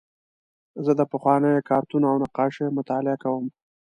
زه د پخوانیو کارتونونو او نقاشیو مطالعه کوم.